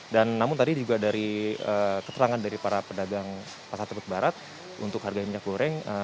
dan namun tadi juga dari keterangan dari para pedagang pasar terbit barat untuk harga minyak goreng